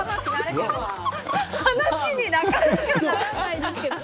話になかなかならないですけど。